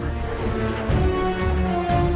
di antara kemampuan dan kemampuan